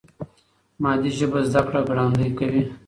مادي ژبه زده کړه ګړندۍ کوي.